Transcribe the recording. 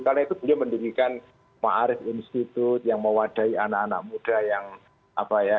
karena itu beliau mendirikan ma'arif institute yang mewadai anak anak muda yang apa ya